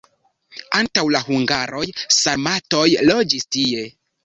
Antaŭ la hungaroj sarmatoj loĝis tie.